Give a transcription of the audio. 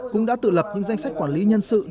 cũng đã tự lập những danh sách quản lý nhân sự